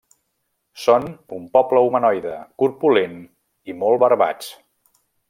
Són un poble humanoide, corpulent i molt barbats.